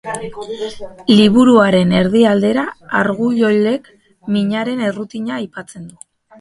Liburuaren erdi aldera, Argullolek minaren errutina aipatzen du.